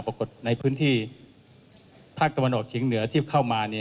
ปรากฏในพื้นที่ภาคตะวันออกชิงเหนือที่เข้ามา